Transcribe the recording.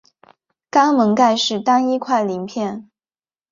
肛门盖是单一块鳞片。